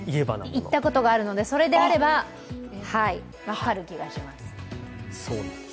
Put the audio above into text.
行ったことあるので、それであれば分かる気がします。